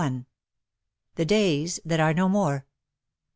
THE DAYS THAT ARE NO MORE.